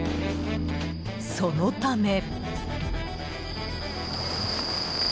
そのため。